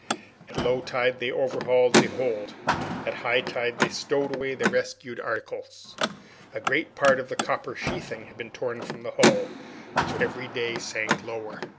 At low tide they overhauled the hold at high tide they stowed away the rescued articles. A great part of the copper sheathing had been torn from the hull, which every day sank lower.